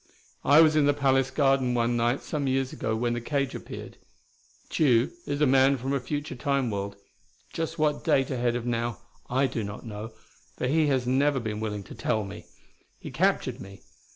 I was in the palace garden one night some years ago when the cage appeared. Tugh is a man from a future Time world; just what date ahead of now, I do not know, for he has never been willing to tell me. He captured me.